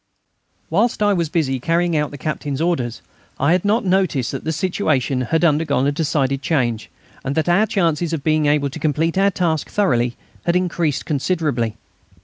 Whilst I was busy carrying out the Captain's orders I had not noticed that the situation had undergone a decided change, and that our chances of being able to complete our task thoroughly had increased considerably.